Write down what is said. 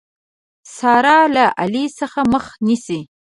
سارا له علي څخه مخ نيسي.